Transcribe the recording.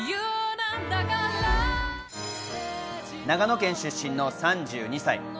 長野県出身の３２歳。